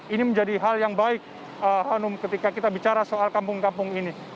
ini menjadi hal yang baik hanum ketika kita bicara soal kampung kampung ini